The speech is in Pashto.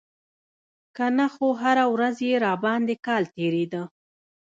که نه خو هره ورځ يې راباندې کال تېرېده.